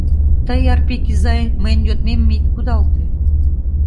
Тый, Арпик изай, мыйын йодмемым ит кудалте...